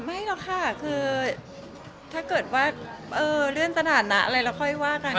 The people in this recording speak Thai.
ไม่หรอกค่ะคือถ้าเกิดว่าเลื่อนสถานะอะไรเราค่อยว่ากัน